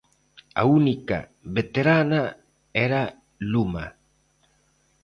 A única veterana era Luma.